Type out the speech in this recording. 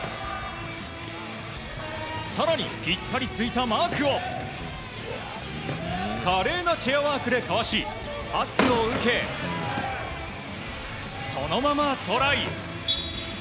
更に、ぴったりついたマークを華麗なチェアワークでかわしパスを受け、そのままトライ！